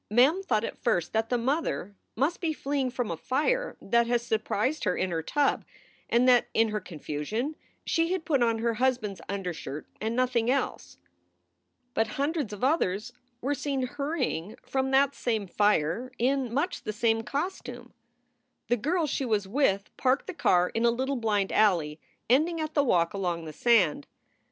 Mem thought at first that the mother must be fleeing from a fire that had surprised her in her tub, and that in her confusion she had put on her hus band s undershirt and nothing else. But hundreds of others were seen hurrying from that same fire in much the same costume. The girls she was with parked the car in a little blind alley ending at the walk along the sand.